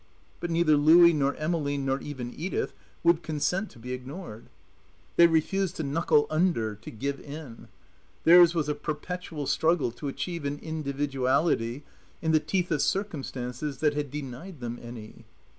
But neither Louie nor Emmeline, nor even Edith, would consent to be ignored. They refused to knuckle under, to give in. Theirs was a perpetual struggle to achieve an individuality in the teeth of circumstances that had denied them any.